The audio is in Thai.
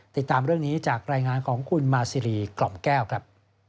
ติดตามเรื่องนี้จากรายงานของคุณมาซีรีกล่อมแก้วครับ